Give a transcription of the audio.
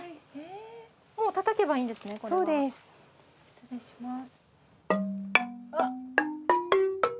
失礼します。